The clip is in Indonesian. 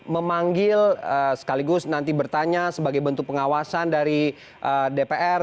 memanggil sekaligus nanti bertanya sebagai bentuk pengawasan dari dpr